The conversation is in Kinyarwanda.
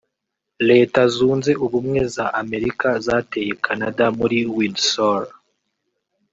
Leta zunze ubumwe za Amerika zateye Canada muri Windsor